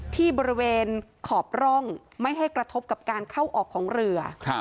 ที่บริเวณขอบร่องไม่ให้กระทบกับการเข้าออกของเรือ